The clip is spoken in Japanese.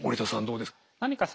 どうですか？